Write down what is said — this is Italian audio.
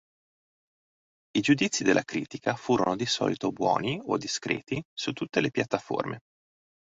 I giudizi della critica furono di solito buoni o discreti su tutte le piattaforme.